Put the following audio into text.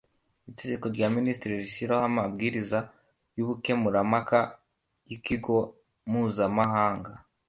iteka rya minisitiri rishyiraho amabwiriza y ubukemurampaka y ikigo mpuzamahanga